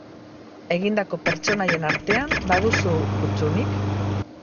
Egindako pertsonaien artean, baduzu kuttunik?